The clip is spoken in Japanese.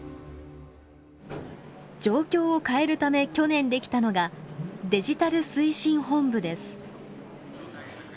状況を変えるため去年できたのがデジタル推進本部です。